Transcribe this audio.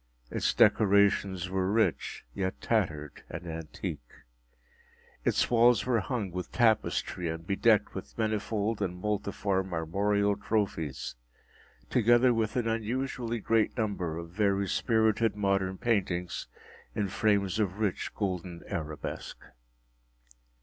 Its decorations were rich, yet tattered and antique. Its walls were hung with tapestry and bedecked with manifold and multiform armorial trophies, together with an unusually great number of very spirited modern paintings in frames of rich golden arabesque.